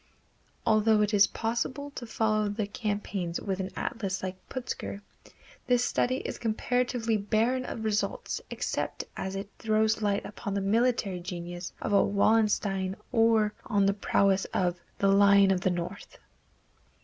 Although it is possible to follow the campaigns with an atlas like Putzger, this study is comparatively barren of results except as it throws light upon the military genius of a Wallenstein or on the prowess of "The Lion of the North."